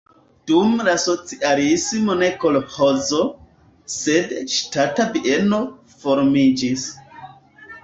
Dum la socialismo ne kolĥozo, sed ŝtata bieno formiĝis.